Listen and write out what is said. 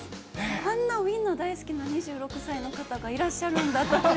あんなウインナー大好きな２６歳の方がいらっしゃるんだと。